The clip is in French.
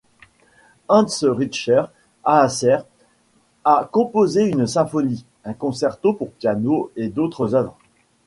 Hans Richter-Haaser a composé une symphonie, un concerto pour piano et d'autres œuvres.